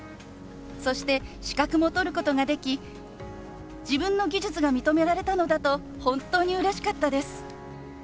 そして資格も取ることができ自分の技術が認められたのだと本当にうれしかったです。